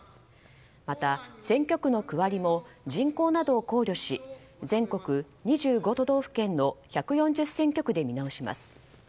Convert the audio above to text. また、選挙区の区割りも人口などを考慮し全国２５都道府県の１４０選挙区で見直します。